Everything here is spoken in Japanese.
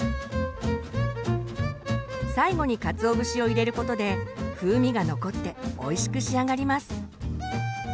最後にかつお節を入れることで風味が残っておいしく仕上がります。